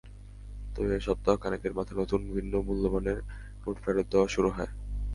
তবে সপ্তাহ খানেকের মাথায় নতুন ভিন্ন মূল্যমানের নোট ফেরত দেওয়া শুরু হয়।